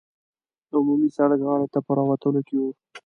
د عمومي سړک غاړې ته په راوتلو کې وو.